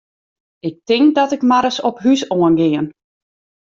Ik tink dat ik mar ris op hús oan gean.